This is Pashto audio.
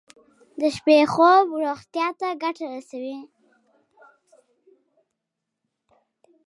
د شپې خوب روغتیا ته ګټه رسوي.